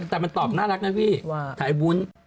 แต่มันตอบน่ารักนะพี่ถ่ายวุ้น